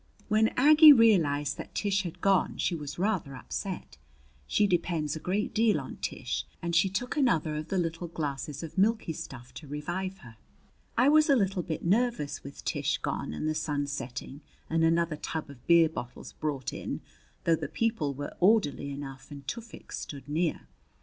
When Aggie realized that Tish had gone, she was rather upset she depends a great deal on Tish and she took another of the little glasses of milky stuff to revive her. I was a little bit nervous with Tish gone and the sun setting and another tub of beer bottles brought in though the people were orderly enough and Tufik stood near.